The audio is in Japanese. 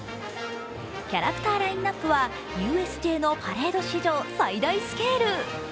キャラクターラインナップはＵＳＪのパレード史上最大スケール。